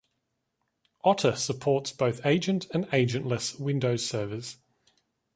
Otter supports both agent and agent-less windows servers.